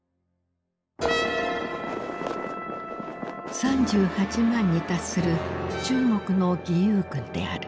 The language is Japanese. ３８万に達する中国の義勇軍である。